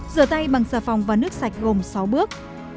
rửa tay bằng xà phòng và nước sạch gồm sáu bước